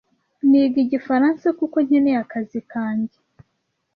Niga Igifaransa kuko nkeneye akazi kanjye.